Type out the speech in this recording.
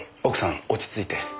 奥さん落ち着いて。